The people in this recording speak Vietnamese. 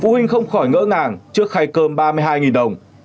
hình không khỏi ngỡ ngàng trước khay cơm ba mươi hai đồng